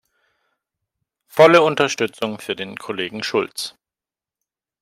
Volle Unterstützung für den Kollegen Schulz!